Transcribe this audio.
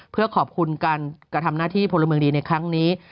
เพื่อขอบคุณการกระทำหน้าที่พลเมืองดีในครั้งนี้